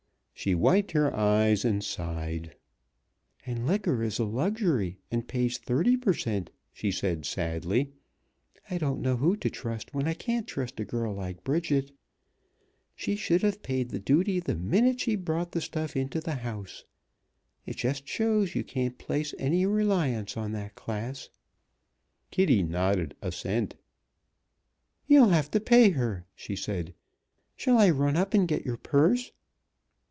She wiped her eyes and sighed. "And liquor is a luxury, and pays thirty per cent.," she said sadly. "I don't know who to trust when I can't trust a girl like Bridget. She should have paid the duty the minute she brought the stuff into the house. It just shows that you can't place any reliance on that class." Kitty nodded assent. "You'll have to pay her," she said. "Shall I run up and get your purse?"